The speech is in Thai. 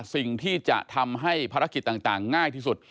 สิ่งที่จะทำให้ภารกิจต่างง่ายที่สุด